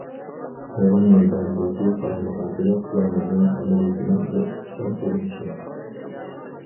يىغىن مەيدانىدىكى قالايمىقانچىلىق يەمەننىڭ ئەمەلىيىتىنىڭ بىر ئىخچام كۆرۈنۈشى.